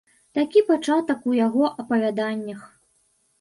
Такі пачатак у яго апавяданнях.